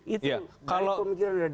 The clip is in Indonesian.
itu dari pemikiran radikal itu